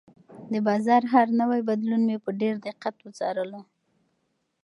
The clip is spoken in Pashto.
د بازار هر نوی بدلون مې په ډېر دقت وڅارلو.